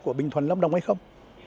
của bình thuận lâm đồng hay không